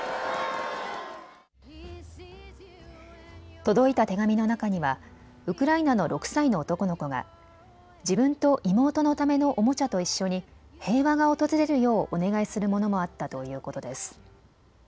届いた手紙の中にはウクライナの６歳の男の子が自分と妹のためのおもちゃと一緒に平和が訪れるようお願いするものもあったということです。